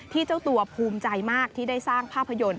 เจ้าตัวภูมิใจมากที่ได้สร้างภาพยนตร์